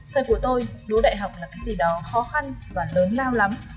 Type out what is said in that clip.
thời của tôi đỗ đại học là cái gì đó khó khăn và lớn lao lắm